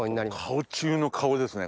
顔中の顔ですね